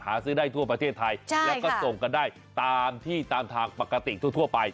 หาซื้อได้ทั่วประเทศไทยแล้วก็ส่งกันได้ตามที่ตามทางปกติทั่วไป